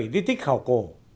bảy di tích khảo cổ